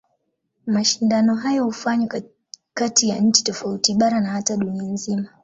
Mashindano hayo hufanywa kati ya nchi tofauti, bara na hata ya dunia nzima.